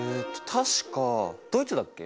確かドイツだっけ？